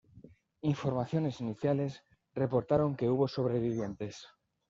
Informaciones iniciales reportaron que hubo sobrevivientes.